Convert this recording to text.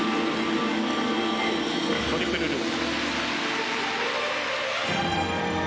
トリプルルッツ。